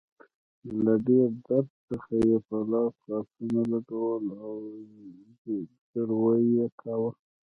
له ډیر درد څخه يې په لاس غاښونه لګول او زګیروی يې کاوه.